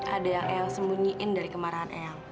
ada yang ayang sembunyiin dari kemarahan ayang